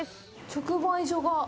直売所が。